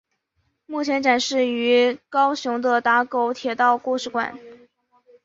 目前展示于高雄的打狗铁道故事馆。